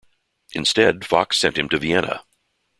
Instead Fox sent him to Vienna.